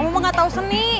kamu mau gak tahu seni